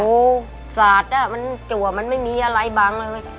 โอ้โหสาดอ่ะมันจัวมันไม่มีอะไรบังเลย